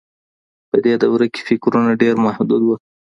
په دې دوره کي فکرونه ډېر محدود وه.